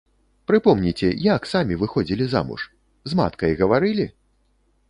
Прыпомніце, як самі выходзілі замуж, з маткай гаварылі?